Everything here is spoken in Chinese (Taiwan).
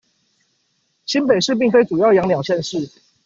新北市並非主要養鳥縣市